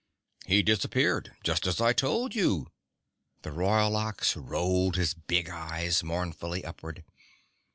"He disappeared, just as I told you." The Royal Ox rolled his big eyes mournfully upward.